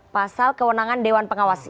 pasal kewenangan dewan pengawas